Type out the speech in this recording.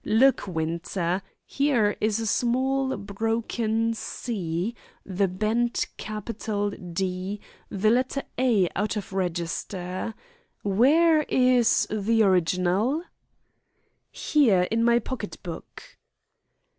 Look, Winter. Here is the small broken 'c,' the bent capital 'D,' the letter 'a' out of register. Where is the original?" "Here, in my pocket book."